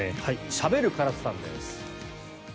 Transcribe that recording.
しゃべるカラスさんです。